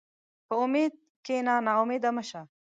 په امید کښېنه، ناامیده مه شه.